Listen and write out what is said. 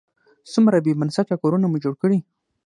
څومره بې بنسټه کورونه مو جوړ کړي.